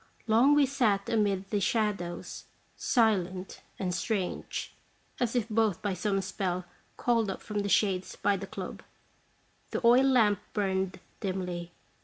Long we sat amid the shadows, silent and strange, as if both by some spell called up from the shades by the club. The oil lamp burned dimly.